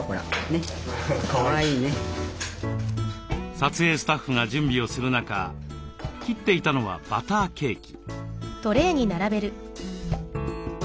撮影スタッフが準備をする中切っていたのはバターケーキ。